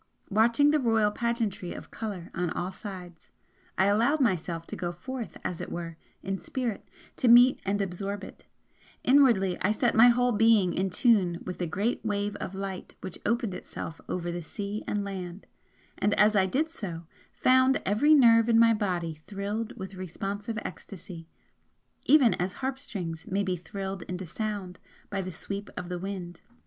Watching the royal pageantry of colour on all sides, I allowed myself to go forth as it were in spirit to meet and absorb it, inwardly I set my whole being in tune with the great wave of light which opened itself over the sea and land, and as I did so found every nerve in my body thrilled with responsive ecstasy, even as harpstrings may be thrilled into sound by the sweep of the wind.